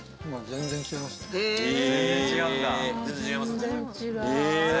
全然違いますね。